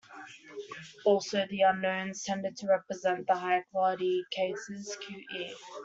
Also the "unknowns" tended to represent the higher quality cases, q.e.